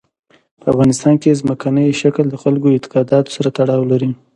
په افغانستان کې ځمکنی شکل د خلکو اعتقاداتو سره تړاو لري.